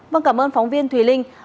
vâng cảm ơn phóng viên thùy linh